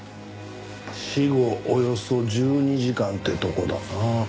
死後およそ１２時間ってとこだな。